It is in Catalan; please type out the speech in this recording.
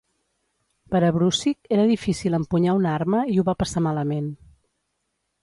Per a Brussig era difícil empunyar una arma i ho va passar malament.